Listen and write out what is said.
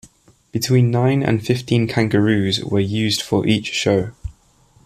Between nine and fifteen kangaroos were used for each show.